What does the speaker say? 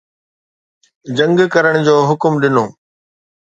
جنگ ڪرڻ جو حڪم ڏنو